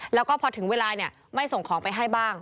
แล้วก็พอถึงเวลาไม่ส่งของไปให้บ้าง